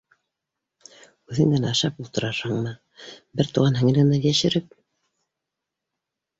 Үҙең генә ашап ултырырһыңмы бер туған һеңлеңдән йәшереп?